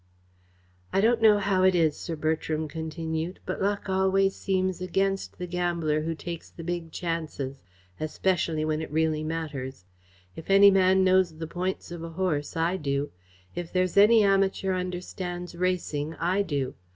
"I don't know how it is," Sir Bertram continued, "but luck always seems against the gambler who takes the big chances especially when it really matters. If any man knows the points of a horse, I do. If there's any amateur understands racing, I do.